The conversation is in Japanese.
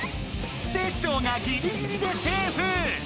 テッショウがギリギリでセーフ！